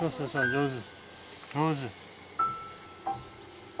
上手。